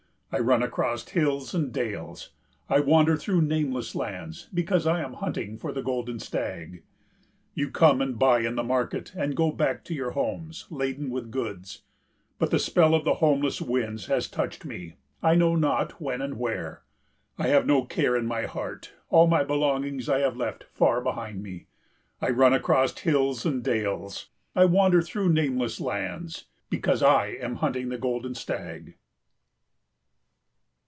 I run across hills and dales, I wander through nameless lands, because I am hunting for the golden stag. You come and buy in the market and go back to your homes laden with goods, but the spell of the homeless winds has touched me I know not when and where. I have no care in my heart; all my belongings I have left far behind me. I run across hills and dales, I wander through nameless lands because I am hunting for the golden stag.